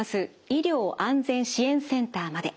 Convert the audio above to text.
医療安全支援センターまで。